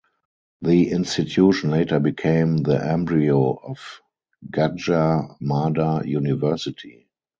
The institution later became the embryo of Gadjah Mada University.